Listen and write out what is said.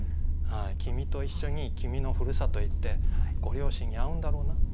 君と一緒に君のふるさとへ行ってご両親に会うんだろうな。